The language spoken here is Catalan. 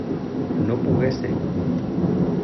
No pogué ser.